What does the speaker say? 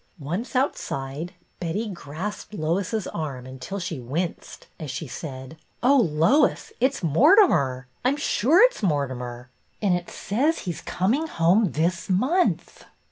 Once outside Betty grasped Lois's arm until she winced, as she said, —" Oh, Lois, it 's Mortimer, I 'm sure it 's Mortimer; and it says he's coming home this month